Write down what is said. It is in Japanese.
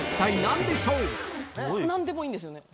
何でもいいんですよね？